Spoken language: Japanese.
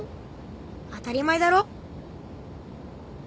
当たり前だろ。